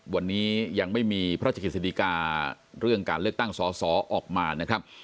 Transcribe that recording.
วันนี้ยังไม่มีพระราชกฤษฎิกาเรื่องการเลือกตั้งสอสอออกมานะครับ